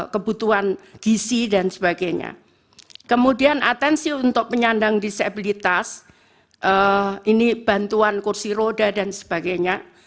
kebutuhan gisi dan sebagainya kemudian atensi untuk penyandang disabilitas ini bantuan kursi roda dan sebagainya